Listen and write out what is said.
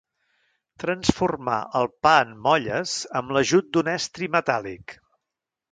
Transformar el pa en molles amb l'ajut d'un estri metàl·lic.